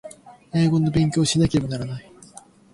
英語の勉強をしなければいけない